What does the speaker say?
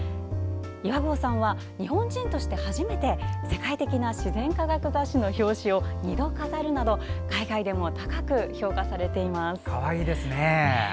岩合さんは日本人として初めて世界的な自然科学雑誌の表紙を２度飾るなど海外でも高く評価されています。